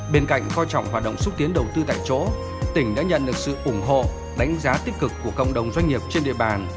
bên cạnh coi trọng hoạt động xúc tiến đầu tư tại chỗ tỉnh đã nhận được sự ủng hộ đánh giá tích cực của cộng đồng doanh nghiệp trên địa bàn